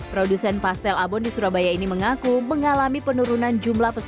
produsen pastel abon di surabaya ini mengaku mengalami penurunan jumlah peserta